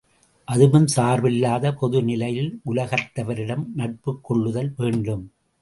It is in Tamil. அதுவும் சார்பில்லாத பொது நிலையில் உலகத்தவரிடம் நட்புக் கொள்ளுதல் வேண்டும்.